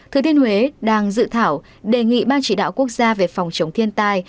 thừa thiên huế đang dự thảo đề nghị ban chỉ đạo quốc gia về phòng chống thiên tai